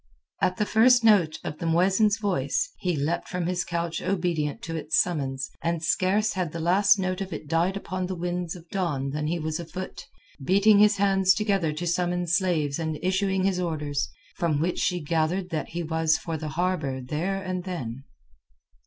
At the first note of the mueddin's voice, he leapt from his couch obedient to its summons, and scarce had the last note of it died upon the winds of dawn than he was afoot, beating his hands together to summon slaves and issuing his orders, from which she gathered that he was for the harbour there and then.